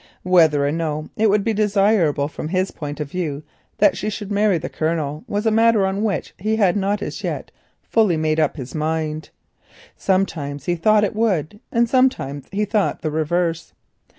Whether or no it would be desirable from his point of view that she should marry the Colonel was a matter on which he had not as yet fully made up his mind. Sometimes he thought it would, and sometimes he thought the reverse.